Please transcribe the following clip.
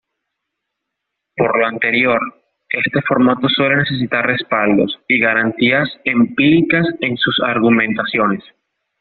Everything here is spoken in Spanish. Por lo anterior, este formato suele necesitar respaldos y garantías empíricas en sus argumentaciones.